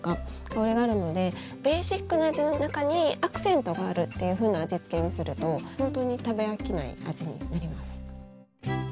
香りがあるのでベーシックな味の中にアクセントがあるっていうふうな味付けにするとほんとに食べ飽きない味になります。